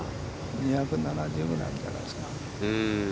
２７０ぐらいあるんじゃないですか。